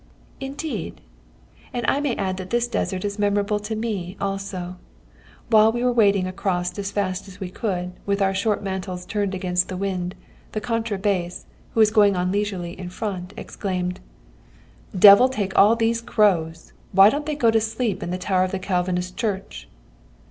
"Indeed! and I may add that this desert is memorable to me also. While we were waddling along as fast as we could, with our short mantles turned against the wind, the contra bass, who was going on leisurely in front, exclaimed: "'Devil take all these crows! Why don't they all go to sleep in the tower of the Calvinist church?'